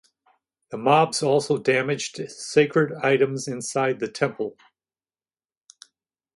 The mobs also damaged sacred items inside the temple.